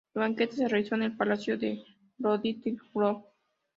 El banquete se realizó en el palacio de Drottningholm.